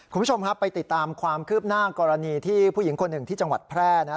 คุณผู้ชมครับไปติดตามความคืบหน้ากรณีที่ผู้หญิงคนหนึ่งที่จังหวัดแพร่